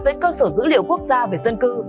với cơ sở dữ liệu quốc gia về dân cư